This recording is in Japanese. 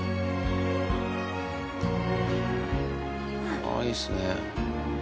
あぁいいですね。